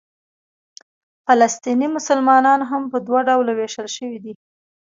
فلسطیني مسلمانان هم په دوه ډوله وېشل شوي دي.